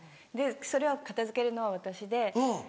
それを片付けるのは私で。